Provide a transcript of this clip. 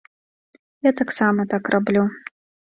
Я таксама так раблю.